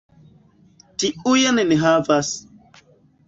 Tiujn ni havas.